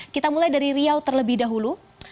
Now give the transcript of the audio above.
kita mulai dari riau terlebih dahulu